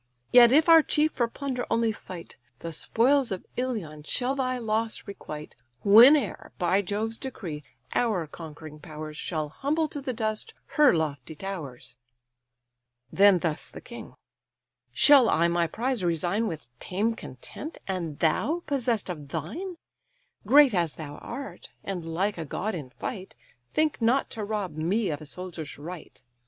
Yet if our chief for plunder only fight, The spoils of Ilion shall thy loss requite, Whene'er, by Jove's decree, our conquering powers Shall humble to the dust her lofty towers." Then thus the king: "Shall I my prize resign With tame content, and thou possess'd of thine? Great as thou art, and like a god in fight, Think not to rob me of a soldier's right.